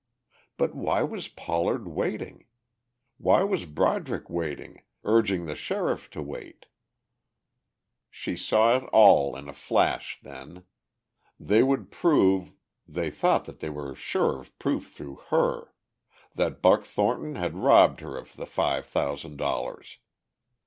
But why was Pollard waiting? Why was Broderick waiting, urging the sheriff to wait? She saw it all in a flash then! They would prove ... they thought that they were sure of proof through her! ... that Buck Thornton had robbed her of the five thousand dollars.